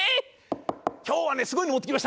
今日はねすごいの持ってきました！